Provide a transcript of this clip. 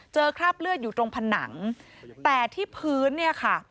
คราบเลือดอยู่ตรงผนังแต่ที่พื้นเนี่ยค่ะ